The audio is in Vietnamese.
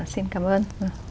xin cảm ơn